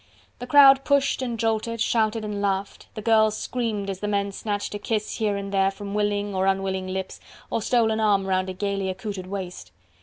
The crowd pushed and jolted, shouted and laughed, the girls screamed as the men snatched a kiss here and there from willing or unwilling lips, or stole an arm round a gaily accoutred waist.